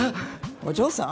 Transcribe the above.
お嬢さん？